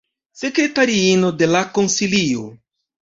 Sekretariino de la konsilio.